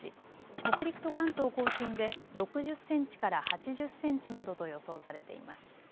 北陸と関東甲信で６０センチから８０センチなどと予想されています。